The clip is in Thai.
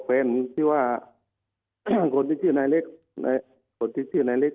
แฟนที่ว่าคนที่เทียไนเล็กไหนคนที่เทียไนเล็ก